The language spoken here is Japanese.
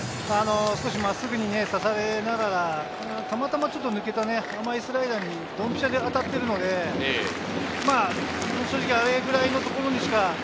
内容的には少し真っすぐに差されながら、たまたま抜けた甘いスライダーにドンピシャで当たっているので、正直あれぐらいのところにしか。